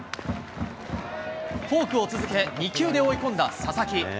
フォークを続け、２球で追い込んだ佐々木。